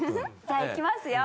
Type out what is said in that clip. じゃあいきますよ。